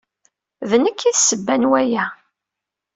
D nekk ay d ssebba n waya.